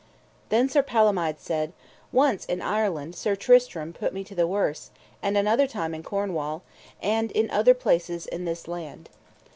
Then Sir Palomides said: Once in Ireland Sir Tristram put me to the worse, and another time in Cornwall, and in other places in this land.